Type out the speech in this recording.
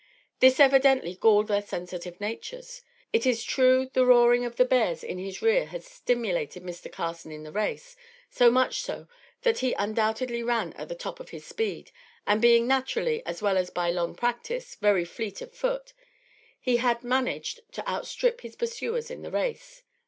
This evidently galled their sensitive natures. It is true the roaring of the bears in his rear had stimulated Mr. Carson in the race, so much so, that he undoubtedly ran at the top of his speed; and, being naturally, as well as by long practice, very fleet of foot, he had managed to outstrip his pursuers in the race.